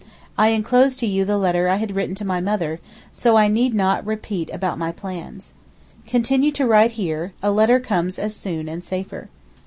I enclose to you the letter I had written to my mother, so I need not repeat about my plans. Continue to write here, a letter comes as soon and safer.